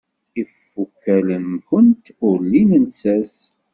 Ifukal-nwent ur lin llsas.